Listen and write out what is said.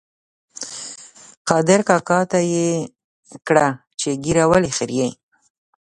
قادر کاکا ته یې کړه چې ږیره ولې خرېیې؟